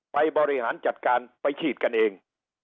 บริหารจัดการไปฉีดกันเอง